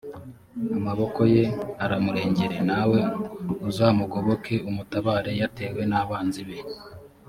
amaboko ye aramurengere, nawe uzamugoboke umutabare yatewe n’abanzi be.»